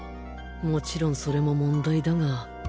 もちろんそれも問題だが